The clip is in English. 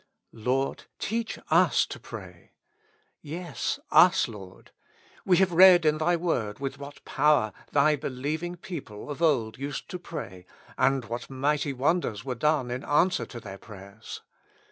" Lord, teach us to pray." Yes, tis, Lord. We have read in Thy Word with what power Thy believing people of old used to pray, and what mighty wonders were done in answer to their prayers.